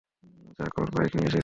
যাক ও ওর বাইক নিয়ে এসেছে।